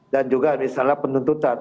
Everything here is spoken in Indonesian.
dan juga misalnya penuntutan